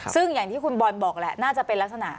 ซึ่งอย่างที่คุณบอลบอกแหละน่าจะเป็นลักษณะ